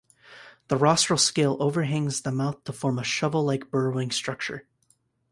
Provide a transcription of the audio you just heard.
The rostral scale overhangs the mouth to form a shovel-like burrowing structure.